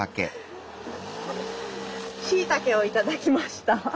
しいたけを頂きました。